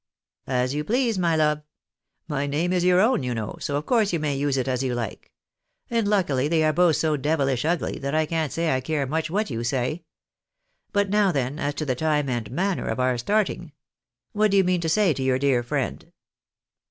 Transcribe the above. " As you please, my love. My name is your own, you know, BO of course you may use it as you like — and luckily they are both 60 devilish ugly, that I can't say I care much wliat you say. But now then, as to the time and manner of our starting ? What do you mean to say to your dear friend